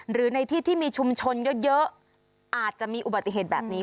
หรือในที่ที่มีชุมชนเยอะอาจจะมีอุบัติเหตุแบบนี้